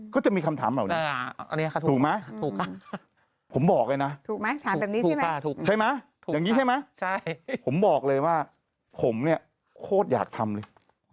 ก็จะมีคำถามเหรอแล้วนี้ถูกไหมผมบอกเลยนะใช่ไหมอย่างนี้ใช่ไหมผมบอกเลยว่าผมนี่โคตรอยากทำเลย